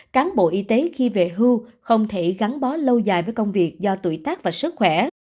cán bộ y tế khi về hưu không thể gắn bó lâu dài với công việc do tuổi tác và sức khỏe